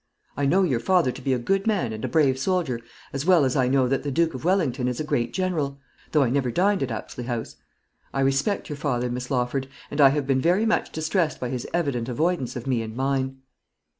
I know your father to be a good man and a brave soldier, as well as I know that the Duke of Wellington is a great general, though I never dined at Apsley House. I respect your father, Miss Lawford; and I have been very much distressed by his evident avoidance of me and mine."